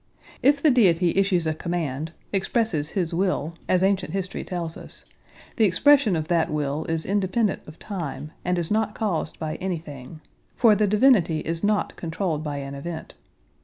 If the Deity issues a command, expresses His will, as ancient history tells us, the expression of that will is independent of time and is not caused by anything, for the Divinity is not controlled by an event.